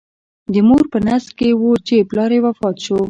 د مور په نس کې و چې پلار یې وفات شو.